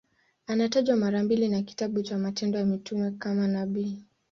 Anatajwa mara mbili na kitabu cha Matendo ya Mitume kama nabii.